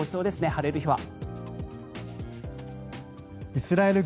晴れる日は。